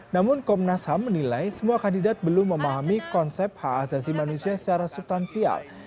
namun komnas ham menilai semua kandidat belum memahami konsep hak asasi manusia secara subtansial